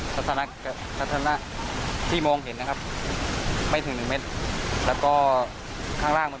ทัศนะที่มองเห็นนะครับไม่ถึงหนึ่งเมตรแล้วก็ข้างล่างมัน